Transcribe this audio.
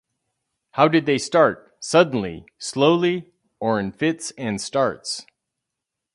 How did they start, suddenly, slowly or in fits and starts?